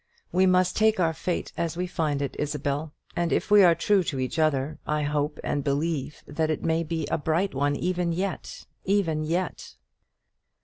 We must take our fate as we find it, Isabel; and if we are true to each other, I hope and believe that it may be a bright one even yet even yet."